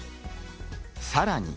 さらに。